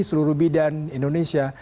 seluruh bidan indonesia